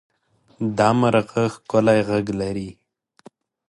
دا مرغه ښکلی غږ لري.